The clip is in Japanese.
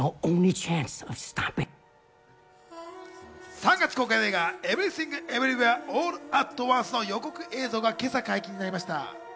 ３月公開の映画『エブリシング・エブリウェア・オール・アット・ワンス』の予告映像が今朝解禁になりました。